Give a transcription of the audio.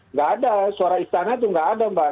nggak ada suara istana itu nggak ada mbak